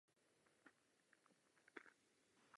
Film se zabývá vztahem mezi rodiči a jejich homosexuálním synem.